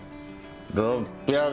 ６００